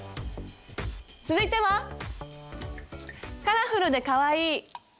続いてはカラフルでかわいい！